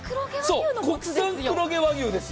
国産黒毛和牛ですよ。